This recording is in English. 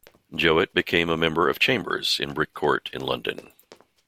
Jowitt became a member of chambers in Brick Court in London.